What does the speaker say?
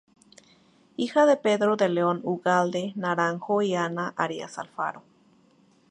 Hija de Pedro León Ugalde Naranjo y Ana Arias Alfaro.